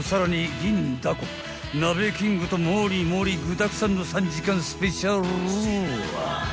銀だこ鍋キングともりもり具だくさんの３時間スペシャル］